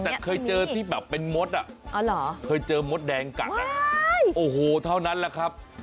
แต่เคยเจอที่แบบเป็นมดอ่ะเคยเจอมดแดงกัดโอ้โหเท่านั้นแหละครับ